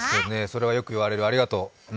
それはよく言われるありがとう。